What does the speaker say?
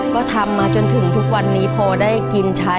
ก็ทำมาจนถึงทุกวันนี้งะ